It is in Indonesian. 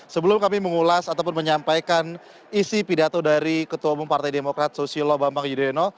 sebelum kami mengulas ataupun menyampaikan isi pidato dari ketua umum partai demokrat susilo bambang yudhoyono